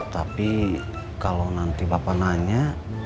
tapi kalau nanti bapak nanya